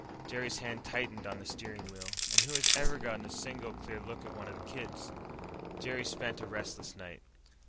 Jerry's hand tightened on the steering wheel. "And who has ever gotten a single, clear look at one of the kids?" Jerry spent a restless night.